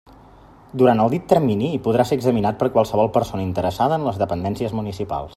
Durant el dit termini hi podrà ser examinat per qualsevol persona interessada en les dependències municipals.